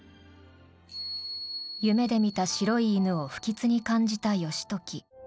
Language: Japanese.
夢で見た白い犬を不吉に感じた義時。